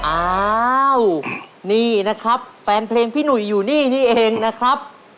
อ้าวนี่นะครับแฟนเพลงพี่หนุ่ยอยู่นี่นี่เองนะครับ